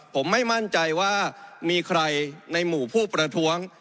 ผมไม่มั่นใจว่ามีใครในหมู่ผู้ประท้วง